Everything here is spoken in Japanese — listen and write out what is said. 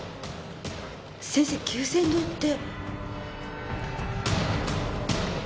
先生久泉堂って。